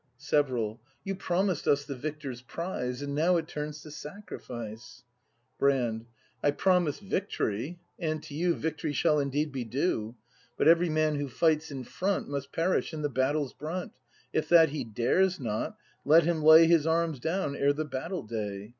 Several. You promised us the victor's prize; And now it turns to sacrifice! Brand. I promised victory, — and to you Victory shall indeed be due. But every man who fights in front Must perish in the battle's brunt; If that he dares not, let him lay His arms down ere the battle day.